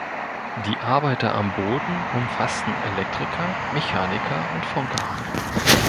Die Arbeiter am Boden umfassten Elektriker, Mechaniker und Funker.